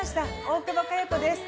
大久保佳代子です。